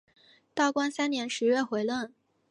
道光三年十月回任。